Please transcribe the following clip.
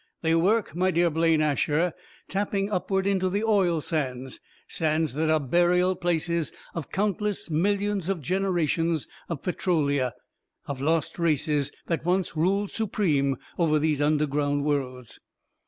They work, my dear Blaine Asher, tapping upward into the oil sands; sands that are burial places of countless millions of generations of Petrolia; of lost races that once ruled supreme over these underground worlds.